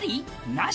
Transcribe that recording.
なし？